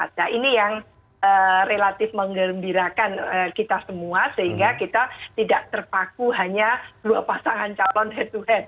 nah ini yang relatif mengembirakan kita semua sehingga kita tidak terpaku hanya dua pasangan calon head to head